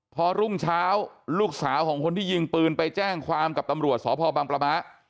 พอรุ่งเช้าลูกสาวของคนที่ยิงปืนไปแจ้งความกับตำรวจสพบังประมะ